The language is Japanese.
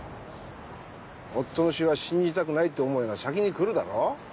夫の死は信じたくないという思いが先に来るだろう？